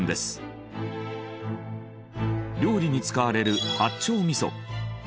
料理に使われる八丁味噌。